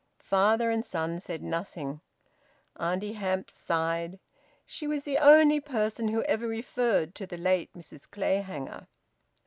Father and son said nothing. Auntie Hamps sighed. She was the only person who ever referred to the late Mrs Clayhanger.